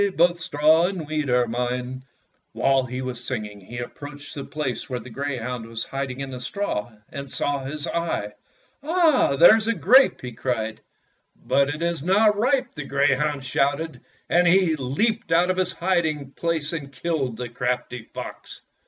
Both straw and wheat are mine !" While he was singing he approached the place where the greyhound was hiding in the straw, and saw his eye. ''Ah, there 's a grape !" he cried. 145 Fairy Tale Foxes '^But it is not ripe!" the greyhound shouted, and he leaped out of his hiding place and killed the crafty fox.